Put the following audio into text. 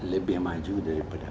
lebih maju daripada